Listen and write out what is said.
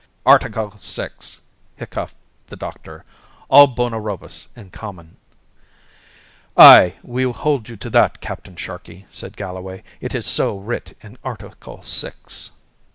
"Article Six!" hiccoughed the doctor. "All bona robas in common." "Aye! we hold you to that, Captain Sharkey," said Galloway. "It is so writ in Article Six."